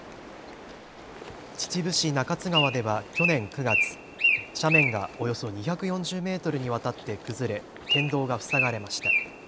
秩父市中津川では去年９月、斜面がおよそ２４０メートルにわたって崩れ県道が塞がれました。